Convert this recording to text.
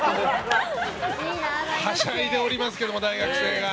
はしゃいでおります、大学生が。